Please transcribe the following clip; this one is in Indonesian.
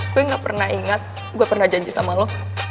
gue gak pernah ingat gue pernah janji sama lo